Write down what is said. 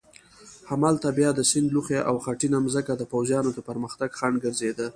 همالته بیا د سیند لوخې او خټینه مځکه د پوځیانو د پرمختګ خنډ ګرځېده.